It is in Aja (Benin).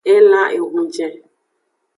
Elan ehunjen.